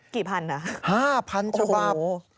กี่พันธุ์นะครับโอ้โฮ๕พันธุ์ฉบับ